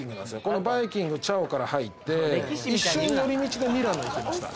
このバイキングチャオから入って一瞬寄り道でミラノいきました